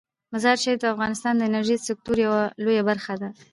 مزارشریف د افغانستان د انرژۍ د سکتور یوه لویه برخه ده.